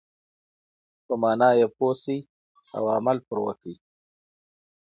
په معنی یې پوه شئ او عمل پرې وکړئ.